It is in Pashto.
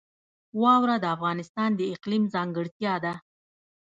واوره د افغانستان د اقلیم ځانګړتیا ده.